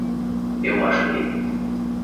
Eu machuquei